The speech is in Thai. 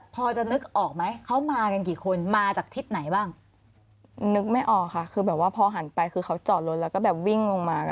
พอจะนึกออกไหมเขามากันกี่คนมาจากที่ไหนต่าง